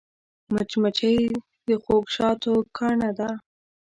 مچمچۍ د خوږ شاتو ګاڼه ده